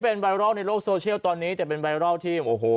เป็นไวรัลในโลกโซเชียลตอนนี้แต่เป็นไวรัลที่โอ้โห